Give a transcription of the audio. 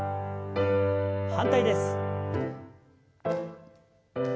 反対です。